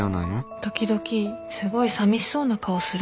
時々すごいさみしそうな顔するんだよね。